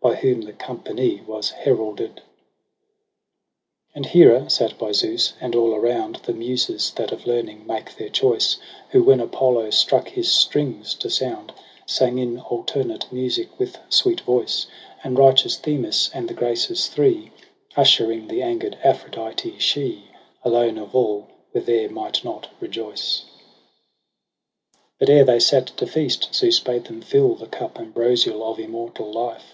By whom the company was heralded. zo And Hera sat by Zeus, and aU around The Muses, that of learning make their choice j Who, when Apollo struck his strings to sound, Sang in alternate music with sweet voice : And righteous Themis, and the Graces three Ushering the anger'd Aphrodite j she Alone of all were there might not rejoice. P 2 aiz EROS & PSYCHE But ere they sat to feast, Zeus bade them fill The cup ambrosial of immortal life.